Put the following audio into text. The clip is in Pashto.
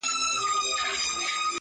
ملا وکښې دایرې یو څو شکلونه -